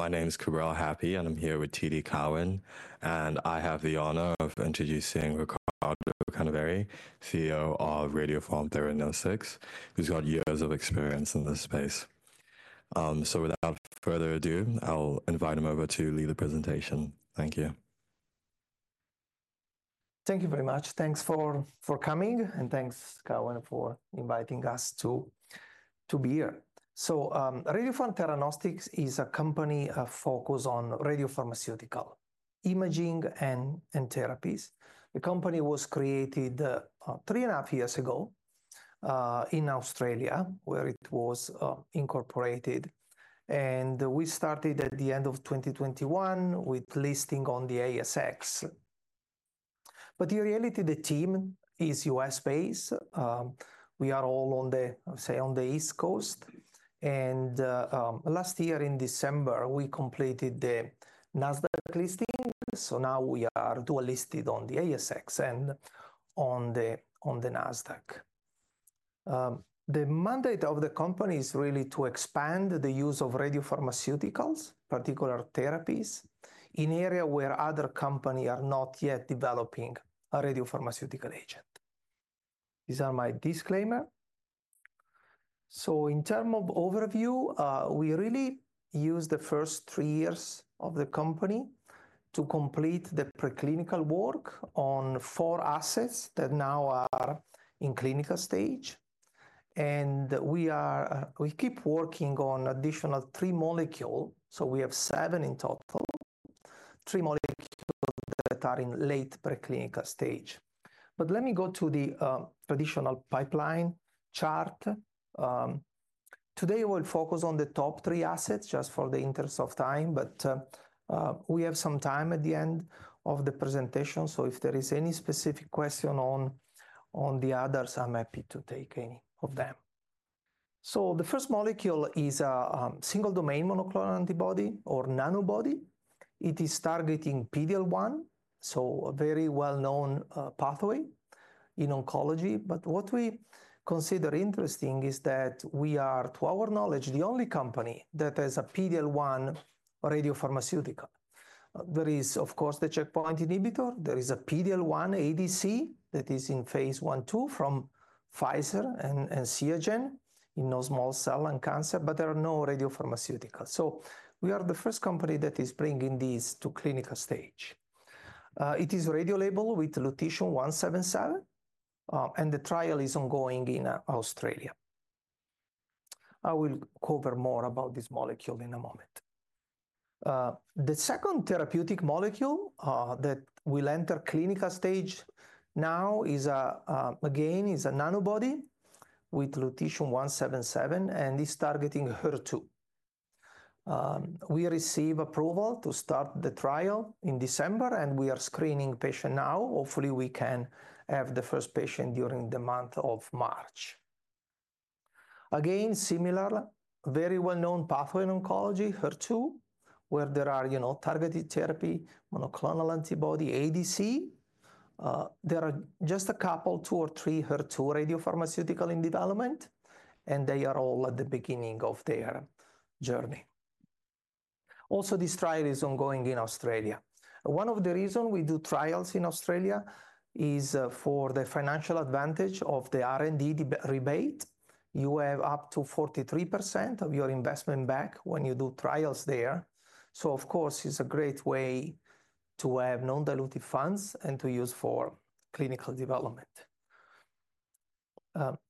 My name is Cabral Happy, and I'm here with TD Cowen. I have the honor of introducing Riccardo Canevari, CEO of Radiopharm Theranostics, who's got years of experience in this space. Without further ado, I'll invite him over to lead the presentation. Thank you. Thank you very much. Thanks for coming, and thanks, Cowen, for inviting us to be here. Radiopharm Theranostics is a company focused on radiopharmaceutical imaging and therapies. The company was created three and a half years ago in Australia, where it was incorporated. We started at the end of 2021 with listing on the ASX. In reality, the team is U.S. based. We are all on the, I would say, on the East Coast. Last year, in December, we completed the Nasdaq listing. Now we are dual-listed on the ASX and on the Nasdaq. The mandate of the company is really to expand the use of radiopharmaceuticals, particular therapies, in areas where other companies are not yet developing a radiopharmaceutical agent. These are my disclaimers. In terms of overview, we really used the first three years of the company to complete the preclinical work on four assets that now are in clinical stage. We keep working on additional three molecules. We have seven in total, three molecules that are in late preclinical stage. Let me go to the traditional pipeline chart. Today, we'll focus on the top three assets just for the interest of time. We have some time at the end of the presentation. If there is any specific question on the others, I'm happy to take any of them. The first molecule is a single-domain monoclonal antibody or nanobody. It is targeting PD-L1, so a very well-known pathway in oncology. What we consider interesting is that we are, to our knowledge, the only company that has a PD-L1 radiopharmaceutical. There is, of course, the checkpoint inhibitor. There is a PD-L1 ADC that is in phase one-two from Pfizer and Seagen in non-small cell lung cancer, but there are no radiopharmaceuticals. We are the first company that is bringing these to clinical stage. It is radiolabeled with Lutetium-177, and the trial is ongoing in Australia. I will cover more about this molecule in a moment. The second therapeutic molecule that will enter clinical stage now, again, is a nanobody with Lutetium-177, and it's targeting HER2. We received approval to start the trial in December, and we are screening patients now. Hopefully, we can have the first patient during the month of March. Again, similar, very well-known pathway in oncology, HER2, where there are targeted therapies, monoclonal antibody, ADC. There are just a couple, two or three HER2 radiopharmaceuticals in development, and they are all at the beginning of their journey. Also, this trial is ongoing in Australia. One of the reasons we do trials in Australia is for the financial advantage of the R&D rebate. You have up to 43% of your investment back when you do trials there. Of course, it's a great way to have non-dilutive funds and to use for clinical development.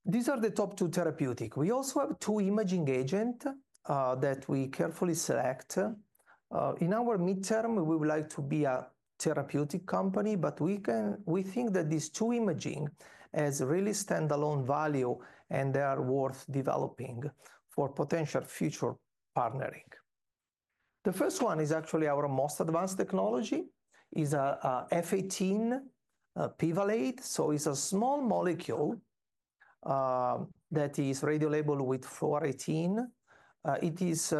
These are the top two therapeutics. We also have two imaging agents that we carefully select. In our midterm, we would like to be a therapeutic company, but we think that these two imaging agents have really standalone value, and they are worth developing for potential future partnering. The first one is actually our most advanced technology. It's an F-18 pivalate. It's a small molecule that is radiolabeled with Fluorine-18. It is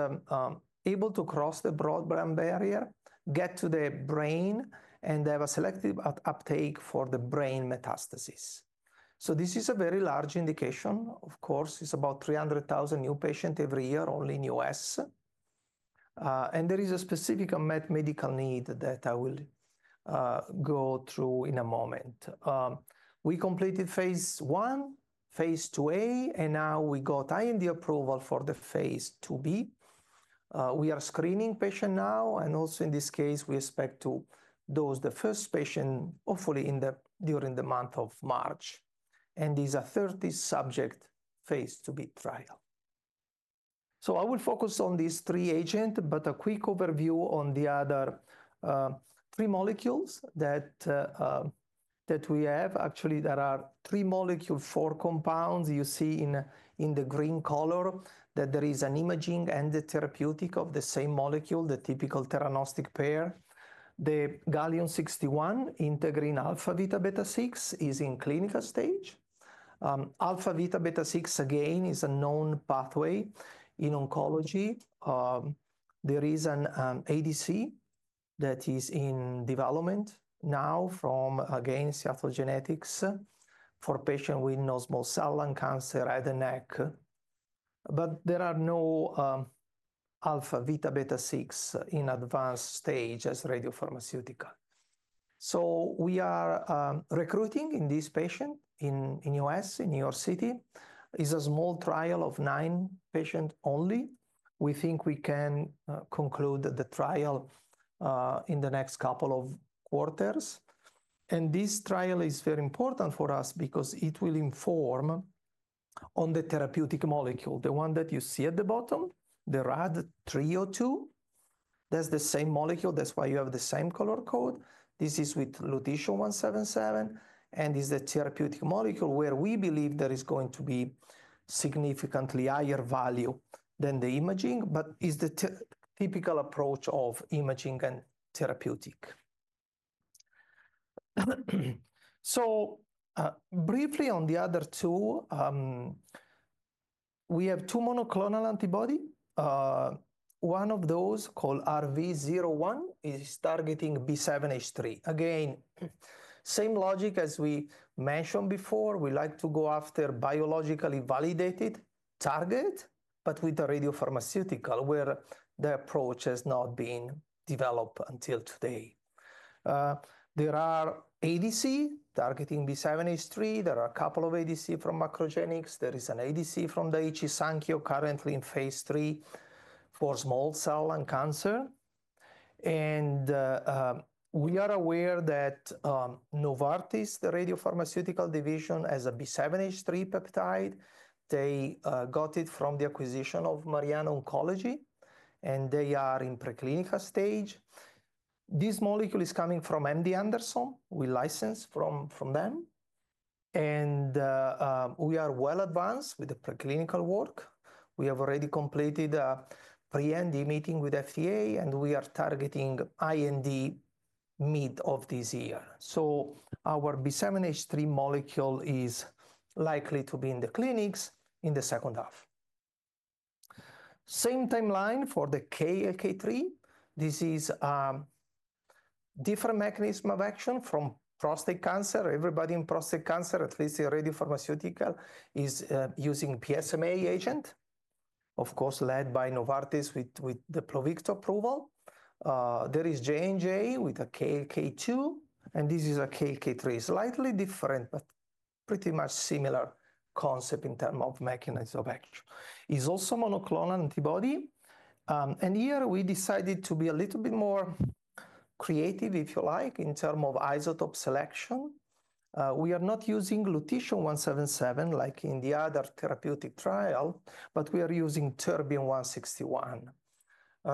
able to cross the blood-brain barrier, get to the brain, and have a selective uptake for the brain metastases. This is a very large indication. Of course, it's about 300,000 new patients every year, only in the U.S. There is a specific medical need that I will go through in a moment. We completed phase one, phase 2A, and now we got IND approval for the phase 2B. We are screening patients now. Also, in this case, we expect to dose the first patient, hopefully, during the month of March. These are 30 subjects phase 2B trialed. I will focus on these three agents, but a quick overview on the other three molecules that we have. Actually, there are three molecules, four compounds. You see in the green color that there is an imaging and the therapeutic of the same molecule, the typical theranostic pair. The Gallium-68 integrin alpha-v beta-6 is in clinical stage. Alpha-v beta-6, again, is a known pathway in oncology. There is an ADC that is in development now from, again, Seattle Genetics for patients with non-small cell and head and neck cancer. There are no alpha-v beta-6 in advanced stage as radiopharmaceutical. We are recruiting these patients in the U.S., in New York City. It's a small trial of nine patients only. We think we can conclude the trial in the next couple of quarters. This trial is very important for us because it will inform on the therapeutic molecule, the one that you see at the bottom, the RAD-302. That's the same molecule. That's why you have the same color code. This is with Lutetium-177, and it's the therapeutic molecule where we believe there is going to be significantly higher value than the imaging, but it's the typical approach of imaging and therapeutic. Briefly, on the other two, we have two monoclonal antibodies. One of those called RV01 is targeting B7-H3. Again, same logic as we mentioned before. We like to go after biologically validated target, but with the radiopharmaceutical, where the approach has not been developed until today. There are ADC targeting B7-H3. There are a couple of ADC from MacroGenics. There is an ADC from Hansoh Pharma currently in phase three for small cell lung cancer. We are aware that Novartis, the radiopharmaceutical division, has a B7-H3 peptide. They got it from the acquisition of Mariana Oncology, and they are in preclinical stage. This molecule is coming from MD Anderson. We licensed from them. We are well advanced with the preclinical work. We have already completed a pre-IND meeting with the FDA, and we are targeting IND mid of this year. Our B7-H3 molecule is likely to be in the clinics in the second half. Same timeline for the KLK3. This is a different mechanism of action from prostate cancer. Everybody in prostate cancer, at least in radiopharmaceutical, is using PSMA agent, of course, led by Novartis with the Pluvicto approval. There is Johnson & Johnson with a KLK2, and this is a KLK3. Slightly different, but pretty much similar concept in terms of mechanism of action. It's also a monoclonal antibody. Here, we decided to be a little bit more creative, if you like, in terms of isotope selection. We are not using Lutetium-177 like in the other therapeutic trial, but we are using Terbium-161.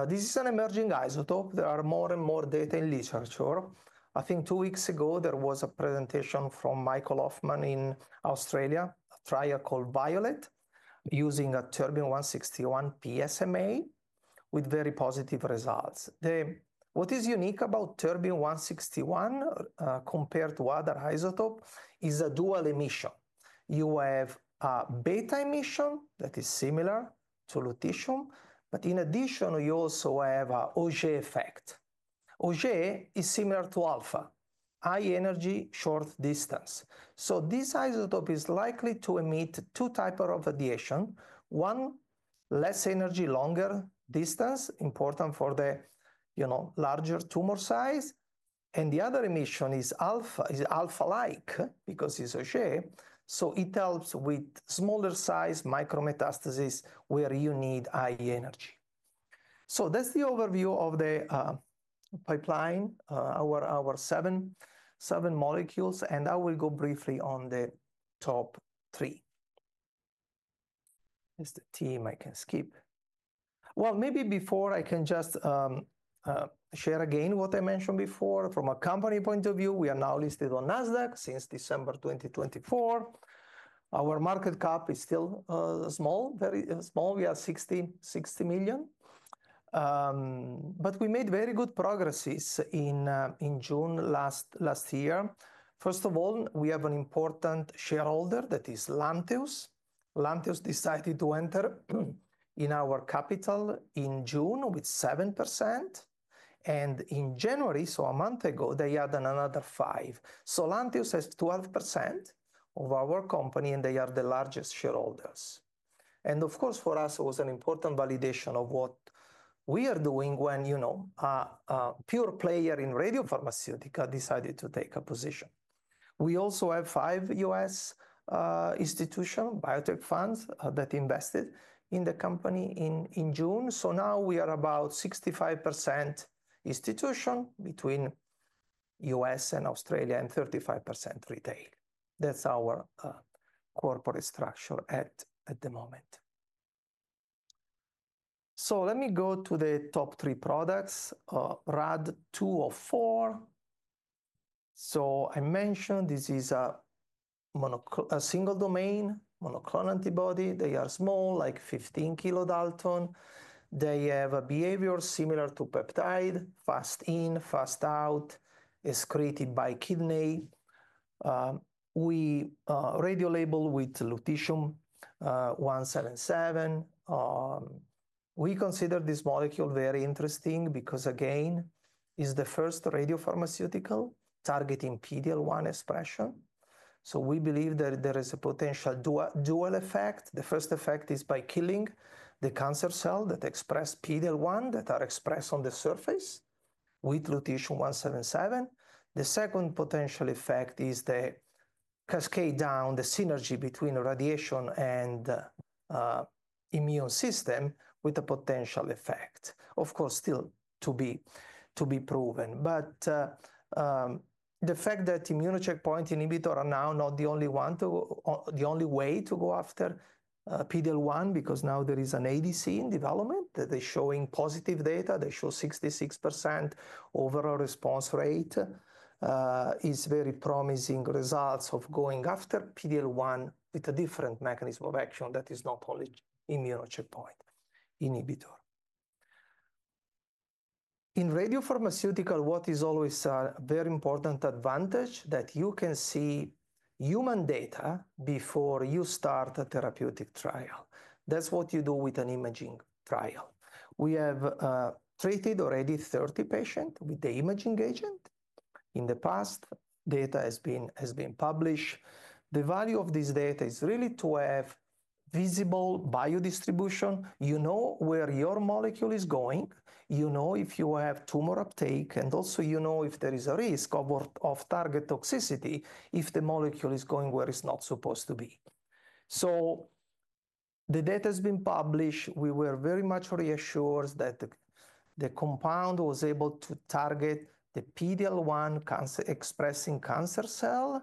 This is an emerging isotope. There are more and more data in literature. I think two weeks ago, there was a presentation from Michael Hofman in Australia, a trial called VIOLET using a Terbium-161 PSMA with very positive results. What is unique about Terbium-161 compared to other isotopes is a dual emission. You have a beta emission that is similar to Lutetium, but in addition, you also have an Auger effect. Auger is similar to alpha, high energy, short distance. This isotope is likely to emit two types of radiation: one, less energy, longer distance, important for the larger tumor size. The other emission is alpha-like because it's Auger. It helps with smaller size micro-metastasis where you need high energy. That is the overview of the pipeline, our seven molecules. I will go briefly on the top three. There is the team. I can skip. Maybe before, I can just share again what I mentioned before. From a company point of view, we are now listed on Nasdaq since December 2024. Our market cap is still small, very small. We are $60 million. We made very good progress in June last year. First of all, we have an important shareholder that is Lantheus. Lantheus decided to enter in our capital in June with 7%. In January, a month ago, they added another 5%. Lantheus has 12% of our company, and they are the largest shareholders. Of course, for us, it was an important validation of what we are doing when a pure player in radiopharmaceuticals decided to take a position. We also have five U.S. institutions, biotech funds that invested in the company in June. Now we are about 65% institution between U.S. and Australia and 35% retail. That is our corporate structure at the moment. Let me go to the top three products, RAD-204. I mentioned this is a single-domain monoclonal antibody. They are small, like 15 kilodalton. They have a behavior similar to peptide, fast in, fast out, excreted by kidney. We radiolabel with Lutetium-177. We consider this molecule very interesting because, again, it is the first radiopharmaceutical targeting PD-L1 expression. We believe that there is a potential dual effect. The first effect is by killing the cancer cells that express PD-L1 that are expressed on the surface with Lutetium-177. The second potential effect is the cascade down, the synergy between radiation and immune system with a potential effect, of course, still to be proven. The fact that immuno checkpoint inhibitors are now not the only way to go after PD-L1, because now there is an ADC in development that is showing positive data. They show 66% overall response rate. It's very promising results of going after PD-L1 with a different mechanism of action that is not only immuno checkpoint inhibitor. In radiopharmaceuticals, what is always a very important advantage is that you can see human data before you start a therapeutic trial. That's what you do with an imaging trial. We have treated already 30 patients with the imaging agent in the past. Data has been published. The value of this data is really to have visible biodistribution. You know where your molecule is going. You know if you have tumor uptake, and also you know if there is a risk of target toxicity if the molecule is going where it's not supposed to be. The data has been published. We were very much reassured that the compound was able to target the PD-L1 expressing cancer cell.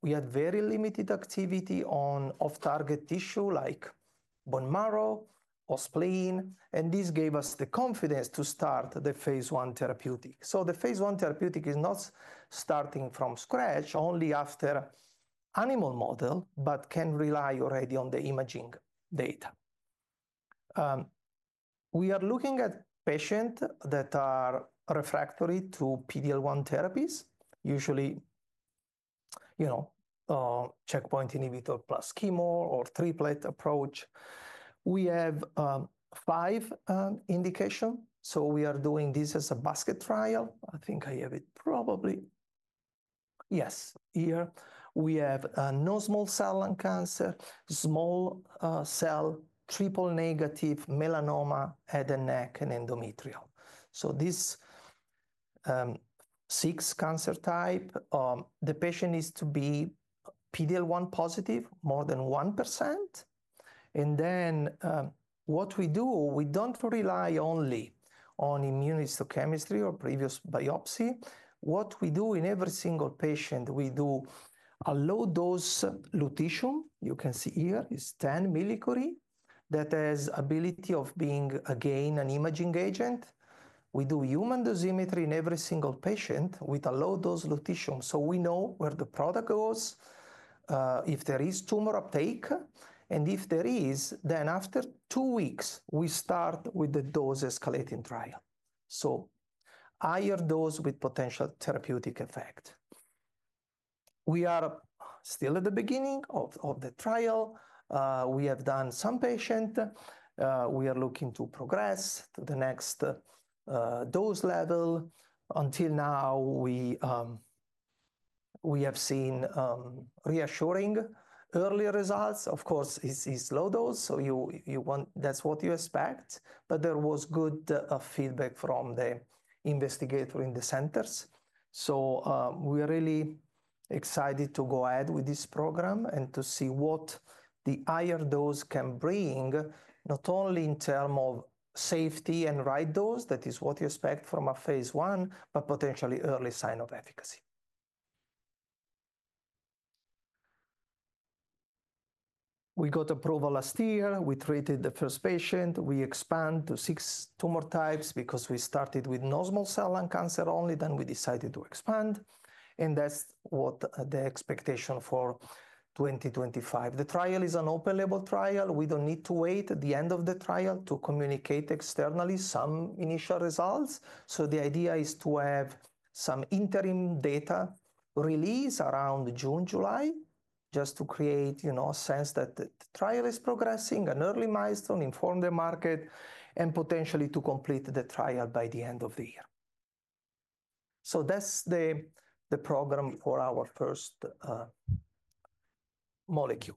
We had very limited activity on target tissue like bone marrow, or spleen, and this gave us the confidence to start the phase one therapeutic. The phase one therapeutic is not starting from scratch, only after animal model, but can rely already on the imaging data. We are looking at patients that are refractory to PD-L1 therapies, usually checkpoint inhibitor plus chemo or triplet approach. We have five indications. We are doing this as a basket trial. I think I have it probably. Yes, here. We have non-small cell lung cancer, small cell, triple negative, melanoma, head and neck and endometrial. These six cancer types, the patient needs to be PD-L1 positive, more than 1%. What we do, we do not rely only on immunohistochemistry or previous biopsy. What we do in every single patient, we do a low-dose Lutetium. You can see here is 10 millicurie that has the ability of being, again, an imaging agent. We do human dosimetry in every single patient with a low-dose Lutetium. We know where the product goes, if there is tumor uptake. If there is, after two weeks, we start with the dose escalating trial. Higher dose with potential therapeutic effect. We are still at the beginning of the trial. We have done some patients. We are looking to progress to the next dose level. Until now, we have seen reassuring early results. Of course, it's low dose, so that's what you expect. There was good feedback from the investigator in the centers. We are really excited to go ahead with this program and to see what the higher dose can bring, not only in terms of safety and right dose, that is what you expect from a phase one, but potentially early sign of efficacy. We got approval last year. We treated the first patient. We expanded to six tumor types because we started with non-small cell lung cancer only. We decided to expand. That is what the expectation for 2025 is. The trial is an open-label trial. We do not need to wait at the end of the trial to communicate externally some initial results. The idea is to have some interim data release around June, July, just to create a sense that the trial is progressing, an early milestone informed the market, and potentially to complete the trial by the end of the year. That is the program for our first molecule.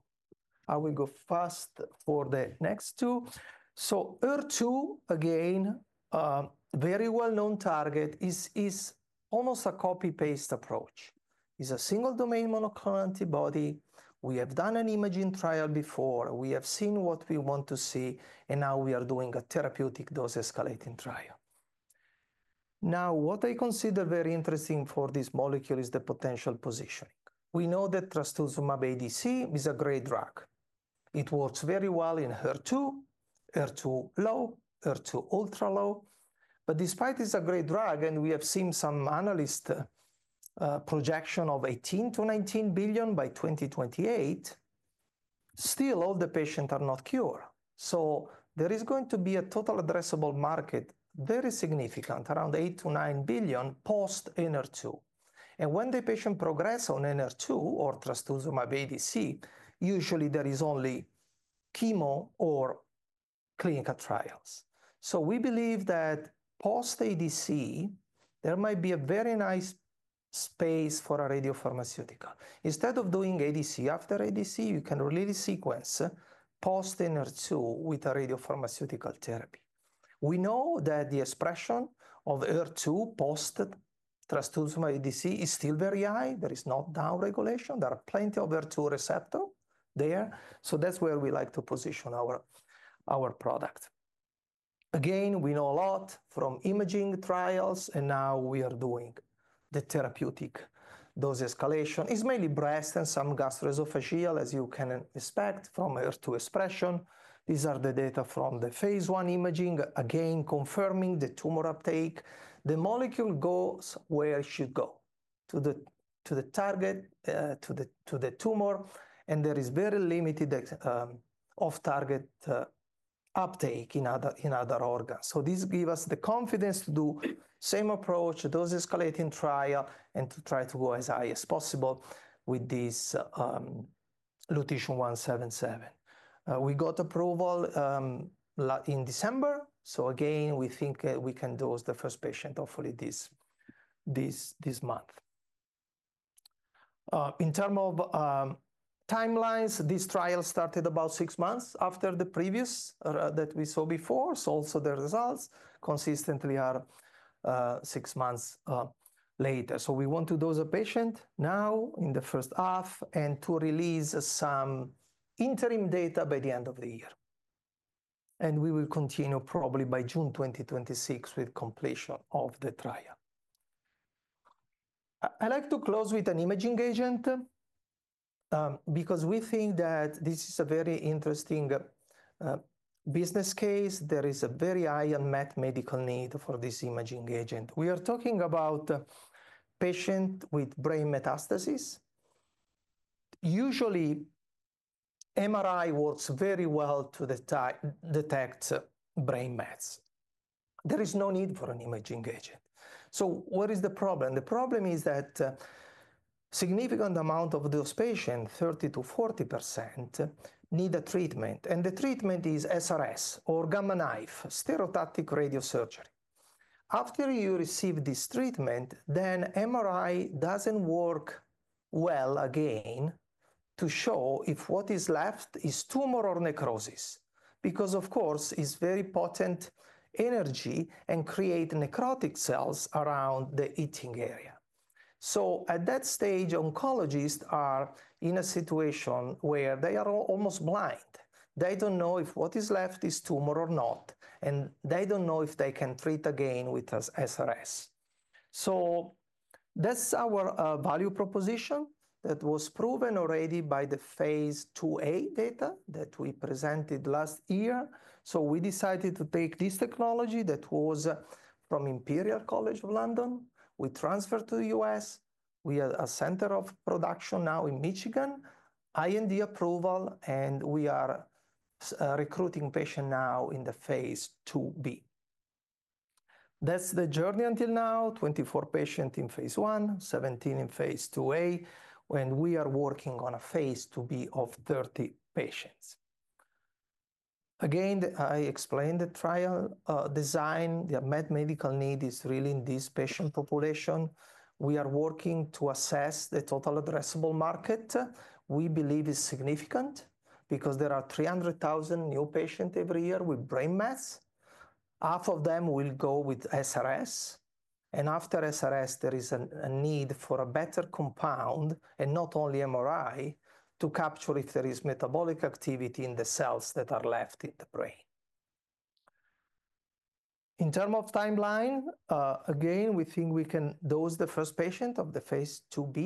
I will go fast for the next two. HER2, again, very well-known target, is almost a copy-paste approach. It is a single-domain monoclonal antibody. We have done an imaging trial before. We have seen what we want to see, and now we are doing a therapeutic dose escalating trial. What I consider very interesting for this molecule is the potential positioning. We know that trastuzumab ADC is a great drug. It works very well in HER2, HER2 low, HER2 ultra low. Despite it's a great drug, and we have seen some analyst projection of $18 billion-$19 billion by 2028, still all the patients are not cured. There is going to be a total addressable market, very significant, around $8 billion-$9 billion post Enhertu. When the patient progresses on Enhertu or trastuzumab ADC, usually there is only chemo or clinical trials. We believe that post ADC, there might be a very nice space for a radiopharmaceutical. Instead of doing ADC after ADC, you can really sequence post Enhertu with a radiopharmaceutical therapy. We know that the expression of HER2 post trastuzumab ADC is still very high. There is no down regulation. There are plenty of HER2 receptors there. That's where we like to position our product. Again, we know a lot from imaging trials, and now we are doing the therapeutic dose escalation. It's mainly breast and some gastroesophageal, as you can expect from HER2 expression. These are the data from the phase one imaging, again, confirming the tumor uptake. The molecule goes where it should go, to the target, to the tumor. There is very limited off-target uptake in other organs. This gives us the confidence to do the same approach, dose escalating trial, and to try to go as high as possible with this Lutetium-177. We got approval in December. We think we can dose the first patient, hopefully this month. In terms of timelines, this trial started about six months after the previous that we saw before. The results consistently are six months later. We want to dose a patient now in the first half and to release some interim data by the end of the year. We will continue probably by June 2026 with completion of the trial. I like to close with an imaging agent because we think that this is a very interesting business case. There is a very high unmet medical need for this imaging agent. We are talking about a patient with brain metastasis. Usually, MRI works very well to detect brain metastasis. There is no need for an imaging agent. What is the problem? The problem is that a significant amount of those patients, 30%-40%, need treatment. The treatment is SRS or Gamma Knife, stereotactic radiosurgery. After you receive this treatment, MRI does not work well again to show if what is left is tumor or necrosis because, of course, it is very potent energy and creates necrotic cells around the eating area. At that stage, oncologists are in a situation where they are almost blind. They don't know if what is left is tumor or not, and they don't know if they can treat again with SRS. That's our value proposition that was proven already by the phase 2A data that we presented last year. We decided to take this technology that was from Imperial College London. We transferred to the U.S. We have a center of production now in Michigan, IND approval, and we are recruiting patients now in the phase 2B. That's the journey until now, 24 patients in phase 1, 17 in phase 2A, and we are working on a phase 2B of 30 patients. Again, I explained the trial design. The unmet medical need is really in this patient population. We are working to assess the total addressable market. We believe it's significant because there are 300,000 new patients every year with brain metastases. Half of them will go with SRS. After SRS, there is a need for a better compound and not only MRI to capture if there is metabolic activity in the cells that are left in the brain. In terms of timeline, again, we think we can dose the first patient of the phase 2B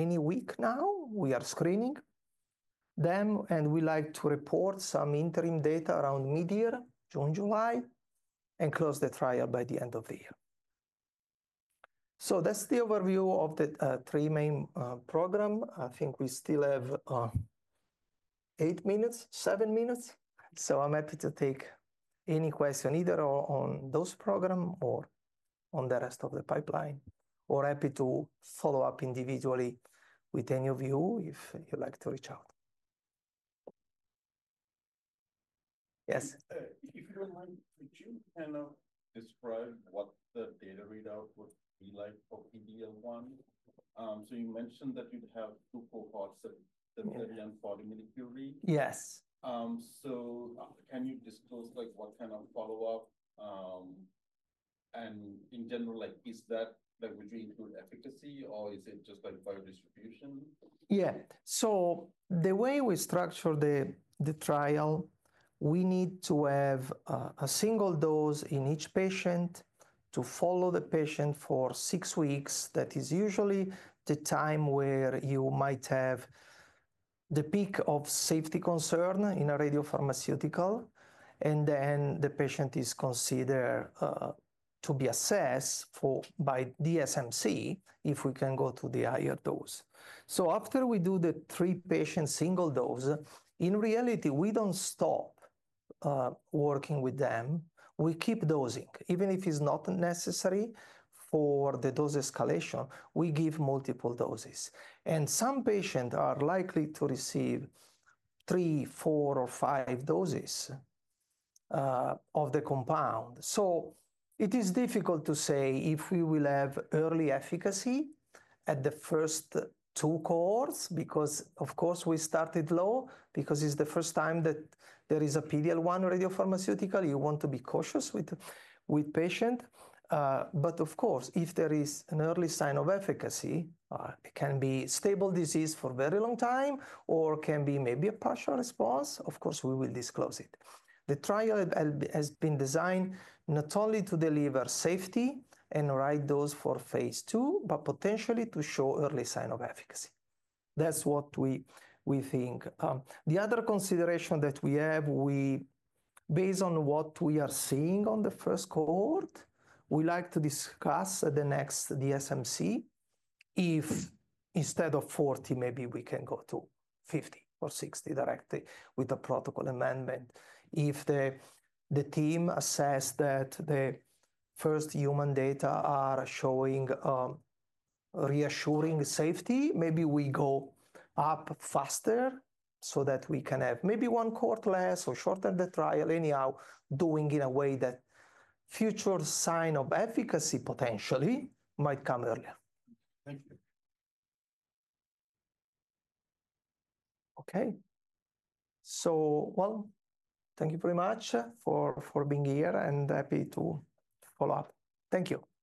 any week now. We are screening them, and we like to report some interim data around mid-year, June, July, and close the trial by the end of the year. That is the overview of the three main programs. I think we still have eight minutes, seven minutes. I am happy to take any question either on those programs or on the rest of the pipeline, or happy to follow up individually with any of you if you would like to reach out. Yes. If you don't mind, could you kind of describe what the data readout would be like for PD-L1? You mentioned that you'd have two cohorts that are 40 millicurie. Yes. Can you disclose what kind of follow-up? In general, would you include efficacy, or is it just biodistribution? Yeah. The way we structure the trial, we need to have a single dose in each patient to follow the patient for six weeks. That is usually the time where you might have the peak of safety concern in a radiopharmaceutical. The patient is considered to be assessed by DSMC if we can go to the higher dose. After we do the three-patient single dose, in reality, we don't stop working with them. We keep dosing. Even if it's not necessary for the dose escalation, we give multiple doses. Some patients are likely to receive three, four, or five doses of the compound. It is difficult to say if we will have early efficacy at the first two cohorts because, of course, we started low because it is the first time that there is a PD-L1 radiopharmaceutical. You want to be cautious with the patient. Of course, if there is an early sign of efficacy, it can be stable disease for a very long time or can be maybe a partial response. Of course, we will disclose it. The trial has been designed not only to deliver safety and the right dose for phase two, but potentially to show early sign of efficacy. That is what we think. The other consideration that we have, based on what we are seeing on the first cohort, we like to discuss at the next DSMC if instead of 40, maybe we can go to 50 or 60 directly with the protocol amendment. If the team assesses that the first human data are showing reassuring safety, maybe we go up faster so that we can have maybe one cohort less or shorten the trial anyhow, doing it in a way that future sign of efficacy potentially might come earlier. Thank you. Okay. Thank you very much for being here and happy to follow up. Thank you.